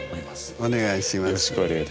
お願いします。